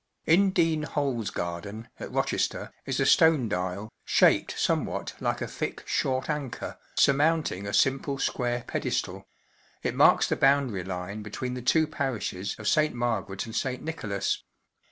In Dean Hole’s garden, at Ro¬ chester, is a stone dial, shaped somewhat like a thick, short anchor, sur mounting a simple square pedestal; it marks the boundary line between the two parishes of St. Margaret and St. Nicholas.